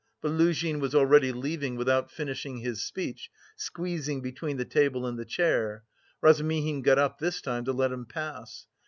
But Luzhin was already leaving without finishing his speech, squeezing between the table and the chair; Razumihin got up this time to let him pass.